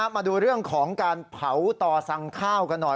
มาดูเรื่องของการเผาต่อสั่งข้าวกันหน่อย